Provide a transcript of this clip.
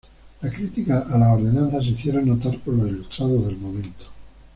La crítica a las Ordenanzas se hicieron notar por los ilustrados del momento.